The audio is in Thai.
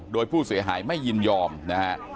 โดยผู้เสียหายไม่ยินยอมนะฮะ